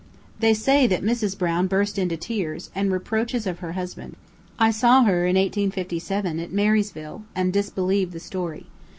They say that Mrs. Brown burst into tears, and reproaches of her husband. I saw her, in 1857, at Marysville, and disbelieve the story.